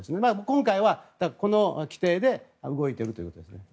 今回はこの規定で動いているということですね。